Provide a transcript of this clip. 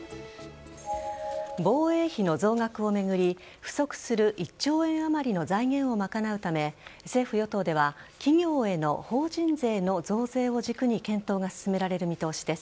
防衛費の増額を巡り不足する１兆円あまりの財源を賄うため政府・与党では企業への法人税の増税を軸に検討が進められる見通しです。